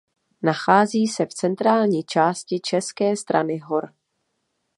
Nachází se v centrální části české strany hor.